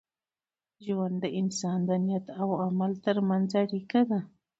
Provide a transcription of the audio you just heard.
ژوند د انسان د نیت او عمل تر منځ اړیکه ده.